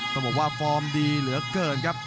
ต้องบอกว่าฟอร์มดีเหลือเกินครับ